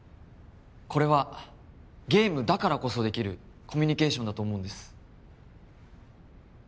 これはゲームだからこそできるコミュニケーションだと思うんです